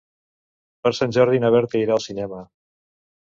Per Sant Jordi na Berta irà al cinema.